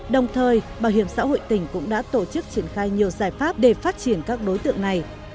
đồng thời bảo hiểm xã hội tỉnh cũng đã tổ chức triển khai nhiều giải pháp để phát triển các đối tượng này